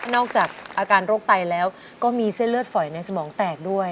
อกจากอาการโรคไตแล้วก็มีเส้นเลือดฝอยในสมองแตกด้วย